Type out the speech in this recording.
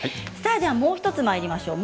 もう１つまいりましょう。